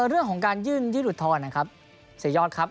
เรื่องของการยื่นยีรุทธรณสุดยอดครับ